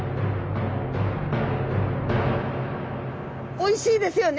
おいしいですよね？